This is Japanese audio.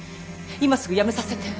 今すぐやめさせて。